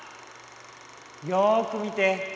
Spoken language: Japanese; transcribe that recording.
よく見て。